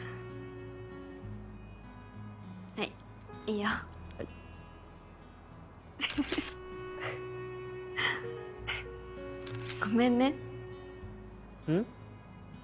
はいいいよはいごめんねうん？